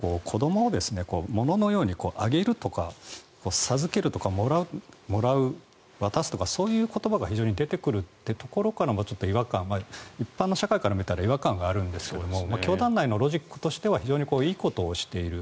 そんなところからあたかも子どもを物のようにあげるとか授けるとかもらう渡すとかそういう言葉が非常に出てくるというところから一般の社会から見たら違和感があるんですが教団内のロジックとしては非常にいいことをしている。